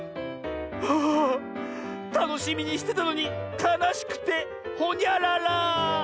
あたのしみにしてたのにかなしくてほにゃらら。